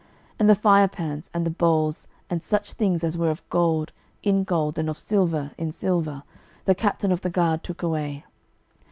12:025:015 And the firepans, and the bowls, and such things as were of gold, in gold, and of silver, in silver, the captain of the guard took away.